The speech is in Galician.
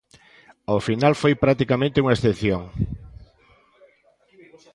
Ao final foi practicamente unha excepción.